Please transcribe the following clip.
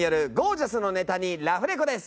ジャスのネタにラフレコです。